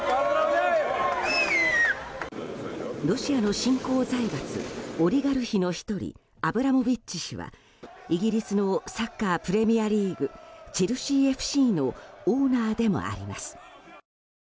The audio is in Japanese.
ロシアの新興財閥オリガルヒの１人、アブラモビッチ氏はイギリスのサッカープレミアリーグチェルシーＦＣのオーナーでもあります。